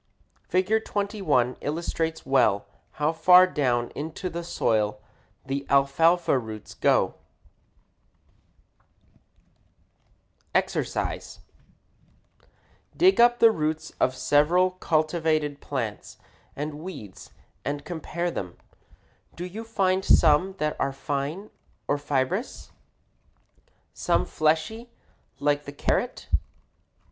Fig. 21 illustrates well how far down into the soil the alfalfa roots go. [Illustration: FIG. 21 ALFALFA ROOT] =EXERCISE= Dig up the roots of several cultivated plants and weeds and compare them. Do you find some that are fine or fibrous? some fleshy like the carrot?